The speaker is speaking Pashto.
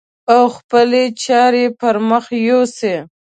او خپلې چارې پر مخ يوسي.